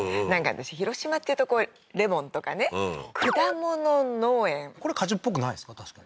私広島っていうとこうレモンとかね果物農園これ果樹っぽくないですか？